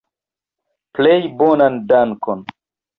Plej bonan dankon.